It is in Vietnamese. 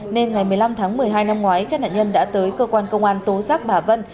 nên ngày một mươi năm tháng một mươi hai năm ngoái các nạn nhân đã tới cơ quan công an tố giác bà vân